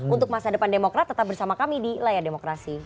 untuk masa depan demokrat tetap bersama kami di layar demokrasi